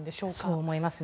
そう思います。